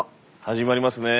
始まりますね。